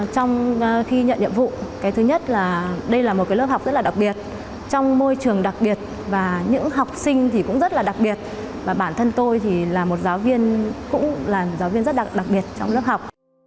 trong khi nhận nhiệm vụ thứ nhất là đây là một lớp học rất đặc biệt trong môi trường đặc biệt và những học sinh cũng rất đặc biệt và bản thân tôi cũng là một giáo viên rất đặc biệt trong lớp học